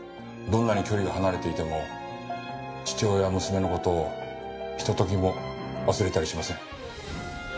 どんなに距離が離れていても父親は娘の事を一時も忘れたりしません。